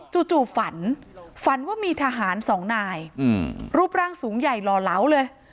จู่ฝันฝันว่ามีทหารสองนายรูปร่างสูงใหญ่หล่อเหลาเลย